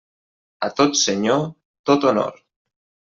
A tot senyor, tot honor.